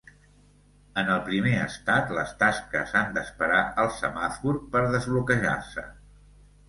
En el primer estat, les tasques han d’esperar al semàfor per desbloquejar-se.